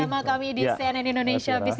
sama sama kami di cnn indonesia business